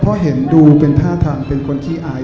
เพราะเห็นดูเป็นท่าทางเป็นคนขี้อาย